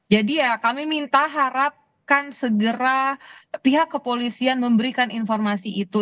jadi ya kami minta harapkan segera pihak kepolisian memberikan informasi itu